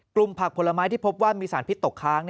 ผักผลไม้ที่พบว่ามีสารพิษตกค้าง